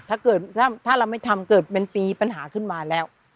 ถ้าเกิดถ้าเราไม่ทำเกิดเป็นปีปัญหาขึ้นมาแล้ว